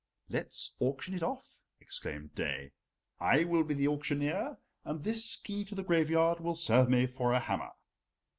"Let's auction it off," exclaimed Daae. "I will be the auctioneer, and this key to the graveyard will serve me for a hammer."